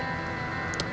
udah gausah panik deh